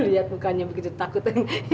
lu lihat mukanya begitu takut